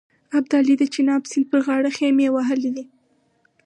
ابدالي د چیناب سیند پر غاړه خېمې وهلې دي.